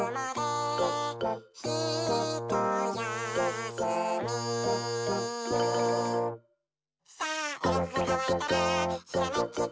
「ひとやすみ」「さあえのぐがかわいたらひらめきタイム」